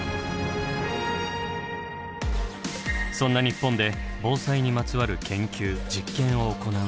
そんな日本で防災にまつわる研究・実験を行う施設。